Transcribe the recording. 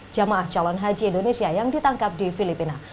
jamaah calon haji indonesia yang ditangkap di filipina